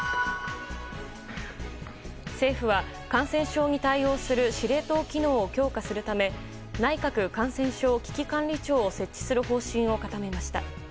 政府は感染症に対応する司令塔機能を強化するため内閣感染症危機管理庁を設置する方針を固めました。